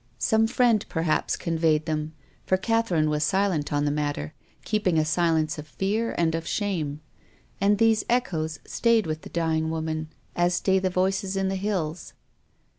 Some friend, perhaps, con veyed them. For Catherine was silent on the matter, keeping a silence of fear and of shame. And these echoes stayed with the dying woman, as stay the voices in the hills.